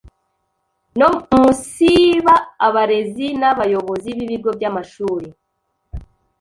no umunsiba abarezi n’abayobozi b’ibigo by’amashuri